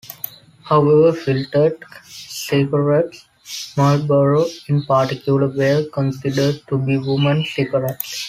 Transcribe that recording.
However, filtered cigarettes, Marlboro in particular, were considered to be women's cigarettes.